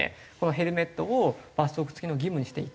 ヘルメットを罰則付きの義務にしていって。